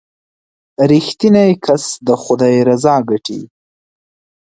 • رښتینی کس د خدای رضا ګټي.